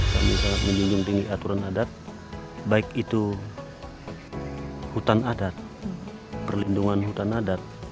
kami sangat menjunjung tinggi aturan adat baik itu hutan adat perlindungan hutan adat